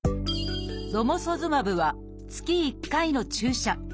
「ロモソズマブ」は月１回の注射。